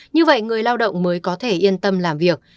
như vậy người lao động mới có thể yên tâm làm việc